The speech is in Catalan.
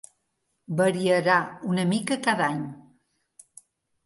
Variarà una mica cada any.